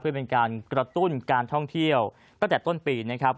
เพื่อเป็นการกระตุ้นการท่องเที่ยวตั้งแต่ต้นปีนะครับ